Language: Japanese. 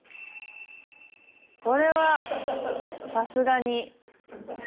これはさすがに。